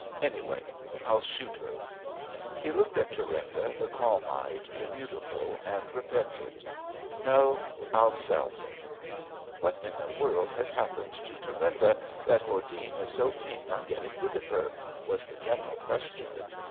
Anyway, I'll shoot her." He looked at Thurinda, the calm eyed, the beautiful, and re pented. No! I'll sell her." " What in the world has happened to Thurinda that Hordene is so keen on getting rid of her! " was the general question.